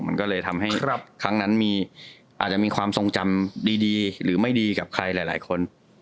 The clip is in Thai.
มันก็เลยทำให้ครั้งนั้นอาจจะมีความทรงจำดีหรือไม่ดีกับใครหลายคน